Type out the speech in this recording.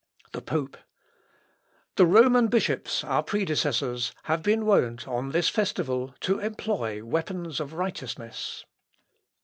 The Pope. "The Roman bishops, our predecessors, have been wont, on this festival, to employ the weapons of righteousness."...